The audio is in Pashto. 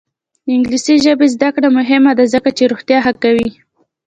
د انګلیسي ژبې زده کړه مهمه ده ځکه چې روغتیا ښه کوي.